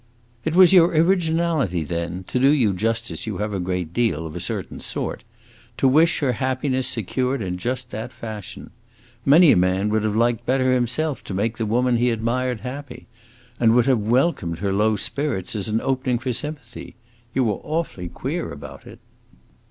"It was your originality then to do you justice you have a great deal, of a certain sort to wish her happiness secured in just that fashion. Many a man would have liked better himself to make the woman he admired happy, and would have welcomed her low spirits as an opening for sympathy. You were awfully queer about it."